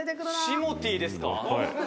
「シモティーですか？」